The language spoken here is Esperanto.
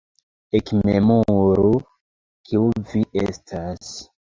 ekmemoru, kiu vi estas!